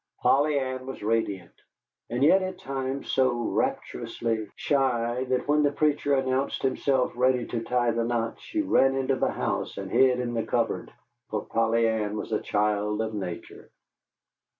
Polly Ann was radiant, and yet at times so rapturously shy that when the preacher announced himself ready to tie the knot she ran into the house and hid in the cupboard for Polly Ann was a child of nature.